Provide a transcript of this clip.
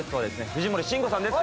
藤森慎吾さんです